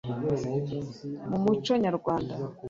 mu muco nyawanda